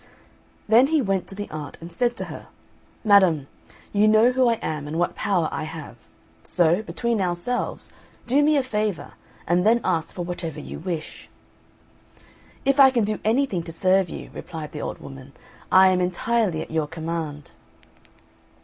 Then he went to the aunt, and said to her, "Madam, you know who I am, and what power I have; so, between ourselves, do me a favour and then ask for whatever you wish." "If I can do anything to serve you," replied the old woman, "I am entirely at your command."